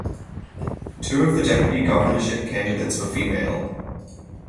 Two of the deputy governorship candidates were female.